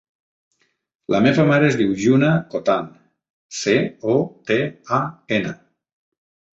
La meva mare es diu Juna Cotan: ce, o, te, a, ena.